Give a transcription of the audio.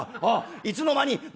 『あっいつの間に！